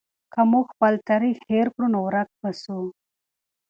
که موږ خپل تاریخ هېر کړو نو ورک به سو.